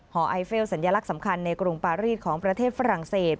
ไอเฟลสัญลักษณ์สำคัญในกรุงปารีสของประเทศฝรั่งเศส